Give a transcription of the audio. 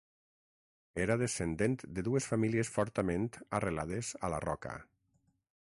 Era descendent de dues famílies fortament arrelades a la Roca.